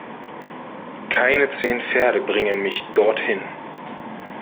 Keine zehn Pferde bringen mich dorthin!